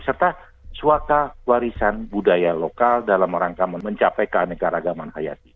serta suaka warisan budaya lokal dalam rangka mencapai keaneka ragaman hayat